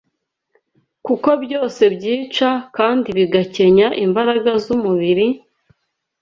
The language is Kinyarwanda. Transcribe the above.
kuko byose byica kandi bigakenya imbaraga z’umubiri,